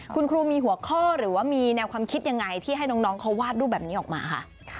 คุณครูมีหัวข้อหรือว่ามีแนวความคิดยังไงที่ให้น้องเขาวาดรูปแบบนี้ออกมาคะ